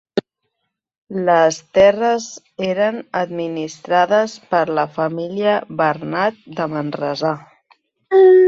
Les terres eren administrades per la família Bernat, de Manresà.